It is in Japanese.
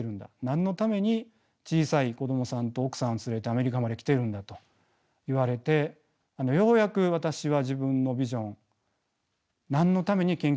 何のために小さい子どもさんと奥さんを連れてアメリカまで来てるんだと言われてようやく私は自分のビジョン何のために研究者になったかを思い出しました。